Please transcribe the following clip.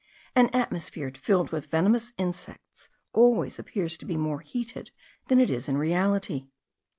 An atmosphere filled with venomous insects always appears to be more heated than it is in reality.